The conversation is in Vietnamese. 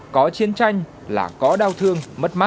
có chiến tranh là có đau thương